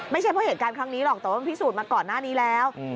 ไม่ใช่เพราะเหตุการณ์ครั้งนี้หรอกแต่ว่ามันพิสูจน์มาก่อนหน้านี้แล้ว